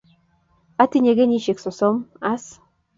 Atinye kenyisyek sosom as.